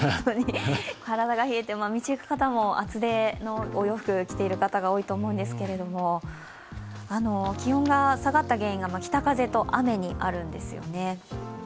体が冷えて、道行く方も厚手のお洋服を着ている方が多いと思いますけれども気温が下がった原因が北風と雨にあるんですよね。